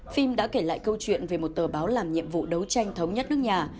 phim đã kể lại câu chuyện về một tờ báo làm nhiệm vụ đấu tranh thống nhất nước nhà